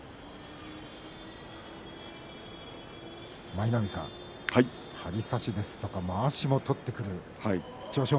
舞の海さん、張り差しですとかまわしを取ってくる千代翔